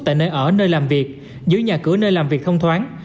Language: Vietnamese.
tại nơi ở nơi làm việc giữ nhà cửa nơi làm việc thông thoáng